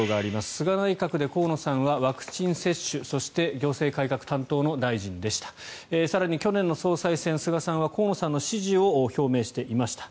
菅内閣で河野さんはワクチン接種そして行政改革担当の大臣でした更に、去年の総裁選菅さんは河野さんの支持を表明していました。